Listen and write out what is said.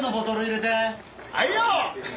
はいよ！